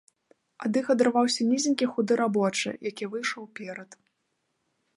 Ад іх адарваўся нізенькі худы рабочы, які выйшаў уперад.